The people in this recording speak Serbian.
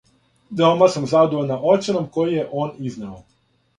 Веома сам задовољна оценом коју је он изнео.